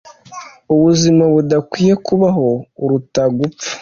ubuzima budakwiye kubaho uruta gupfa